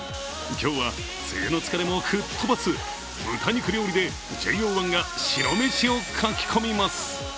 今日は梅雨の疲れも吹っ飛ばす豚肉料理でＪＯ１が白飯をかき込みます。